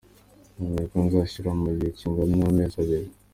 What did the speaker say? Nemeye ko nzazishyura mu gihe kingana n’amezi abiri.